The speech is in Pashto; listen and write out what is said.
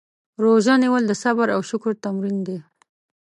روژه نیول د صبر او شکر تمرین دی.